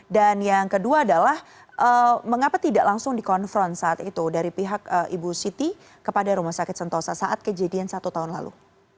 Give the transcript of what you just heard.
dan yang kedua adalah mengapa tidak langsung dikonfront saat itu dari pihak ibu siti kepada rumah sakit sentosa saat kejadian satu tahun lalu